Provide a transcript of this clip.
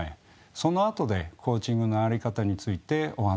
そのあとでコーチングの在り方についてお話しします。